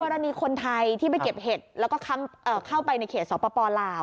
คนไทยที่ไปเก็บเห็ดแล้วก็เข้าไปในเขตสปลาว